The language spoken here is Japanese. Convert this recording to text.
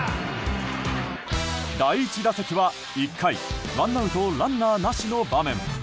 第１打席は１回、ワンアウトランナーなしの場面。